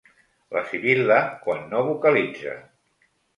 La sibil·la quan no vocalitza.